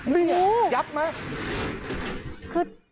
นี่เหรอยับหรือไหม